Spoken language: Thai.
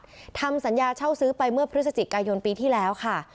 ทำสัญญาเช่าซื้อไปเมื่อพฤศจิกายนปีที่แล้วค่ะ